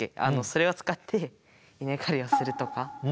それを使って稲刈りをするとか。